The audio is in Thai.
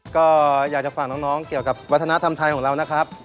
ก็อยากจะฝากน้องเกี่ยวกับวัฒนธรรมไทยของเรานะครับ